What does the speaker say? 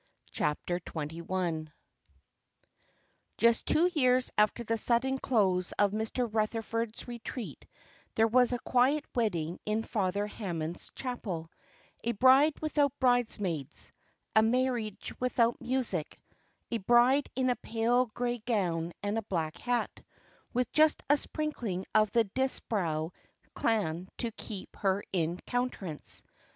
CHAPTER XXI Just two years after the sudden close of Mr. Rutherford's retreat there was a quiet wedding in Father Hammond's chapel a bride without bridesmaids, a marriage without music, a bride in a pale grey gown and a black hat, with just a sprinkling of the Disbrowe clan to keep her in countenance.